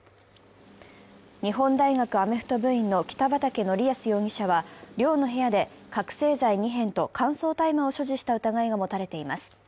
日本大学アメフト部員の北畠成文容疑者は、寮の部屋で覚醒剤２片と乾燥大麻を所持した疑いが持たれています。